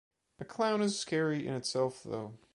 A clown is scary in itself though.